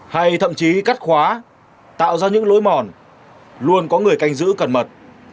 hay thậm chí cắt khóa tạo ra những lối mòn luôn có người canh giữ cẩn mật